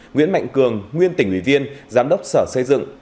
nguyễn mạnh cường nguyên tỉnh uỷ viên giám đốc sở xây dựng